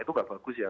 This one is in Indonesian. itu nggak bagus ya